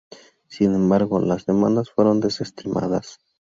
Sin embargo, las demandas fueron desestimadas.